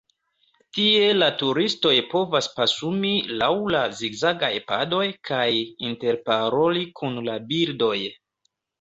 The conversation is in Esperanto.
Tie la turistoj povas pasumi lau la zigzagaj padoj kaj interparoli kun la birdoj.